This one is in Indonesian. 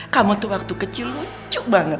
kamu tuh waktu kecil lucu banget